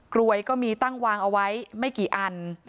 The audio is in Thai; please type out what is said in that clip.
รวยก็มีตั้งวางเอาไว้ไม่กี่อัน